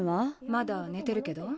まだねてるけど？